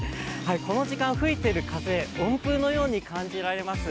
この時間、吹いている風、温風のように感じられます。